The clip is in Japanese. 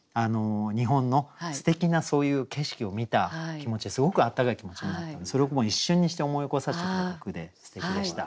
日本のすてきなそういう景色を見た気持ちすごく温かい気持ちになったのでそれを一瞬にして思い起こさせてくれた句ですてきでした。